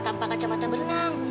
tanpa kacamata berenang